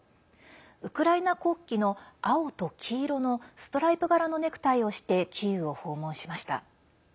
ウクライナ国旗の、青と黄色のストライプ柄のネクタイをしてキーウを訪問しました。